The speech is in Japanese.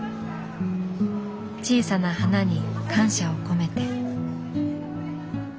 小さな花に感謝を込めて。